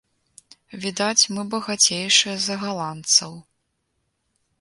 Відаць, мы багацейшыя за галандцаў.